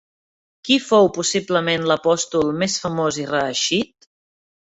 Qui fou possiblement l'apòstol més famós i reeixit?